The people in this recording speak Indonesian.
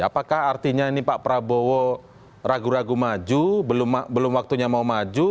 apakah artinya ini pak prabowo ragu ragu maju belum waktunya mau maju